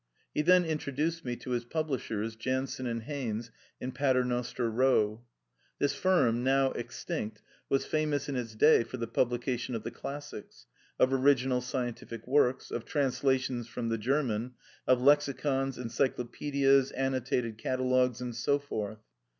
He then introduced me to his publishers, Jansen and Haines, in Pater noster Row. This firm, now extinct, was famous in its day for the publication of the classics ; of original scientific works ; of translations from the German ; of lexicons, encyclopsedias, annotated catalogues, and so forth.